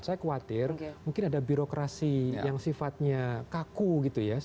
saya khawatir mungkin ada birokrasi yang sifatnya kaku gitu ya